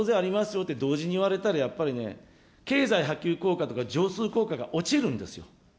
よって同時に言われたらやっぱりね、経済波及効果とか、乗数効果が落ちるんですよ。